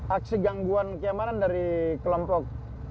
aksi gangguan keamanan dari kelompok